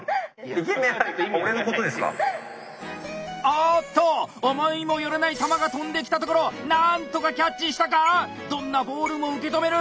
おっと思いもよらない球が飛んできたところ何とかキャッチしたか⁉どんなボールも受け止める。